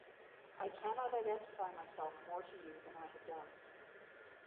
I cannot identify myself more to you than I have done.